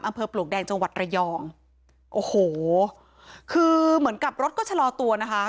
ปลวกแดงจังหวัดระยองโอ้โหคือเหมือนกับรถก็ชะลอตัวนะคะ